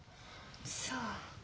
そう。